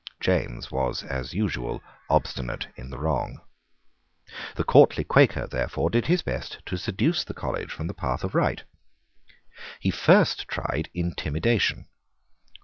James was, as usual, obstinate in the wrong. The courtly Quaker, therefore, did his best to seduce the college from the path of right. He first tried intimidation.